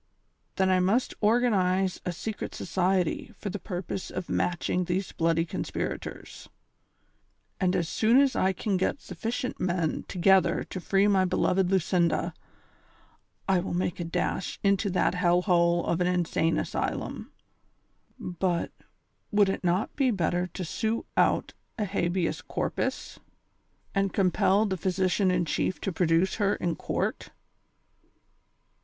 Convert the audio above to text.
Then I must organ ize a secret society for the purpose of matching these bloody conspirators ; and as soon as I can get suflicient men to gether to free my beloved Lucinda, I will make a dash into that hell hole of an insane asj lum ; but, would it not be better to sue out a habeas corpus, and compel the physi cian in chief to produce her in court